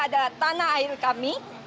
adalah tanah air kami